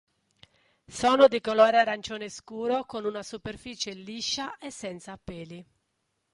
Sono di colore arancione scuro con una superficie liscia e senza peli.